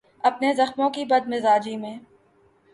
اپنے زخموں کی بد مزاجی میں